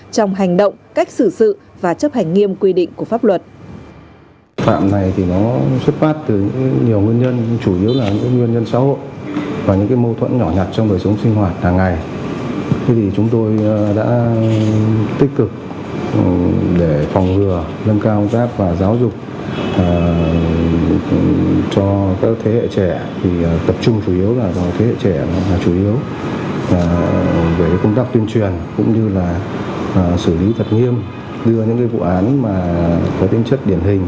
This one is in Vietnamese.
trong hành động cách xử sự và chấp hành nghiêm quy định của pháp luật